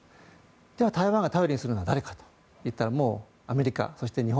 じゃあ、台湾が頼りにするのは誰かといったらもう、アメリカそして日本。